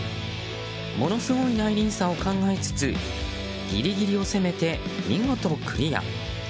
ものすごい内輪差を考えつつギリギリを攻めて見事クリア。